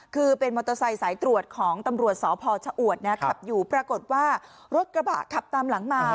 คือเป็นมอเตอร์ไซค์สายตรวจของตำรวจสพชะอวดนะครับขับอยู่ปรากฏว่ารถกระบะขับตามหลังมา